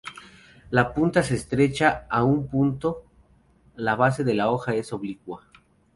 La punta se estrecha a un punto, la base de la hoja es oblicua.